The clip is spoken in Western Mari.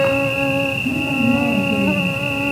«Ке Тарьялан тӹньӹ.